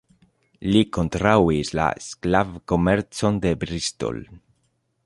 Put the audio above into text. Li kontraŭis la sklav-komercon de Bristol.